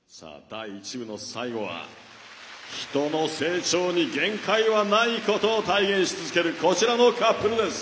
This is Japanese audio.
第１部の最後は人の成長に限界はないことを体現し続けるこちらのカップルです。